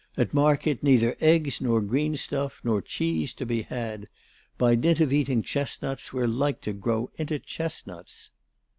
At market neither eggs nor green stuff nor cheese to be had. By dint of eating chestnuts, we're like to grow into chestnuts."